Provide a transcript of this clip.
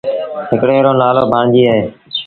هڪڙي رو نآلو ڀآڻجيٚ اهي۔